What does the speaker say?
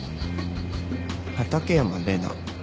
「畠山麗奈」